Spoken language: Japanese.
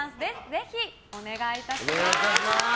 ぜひお願いいたします。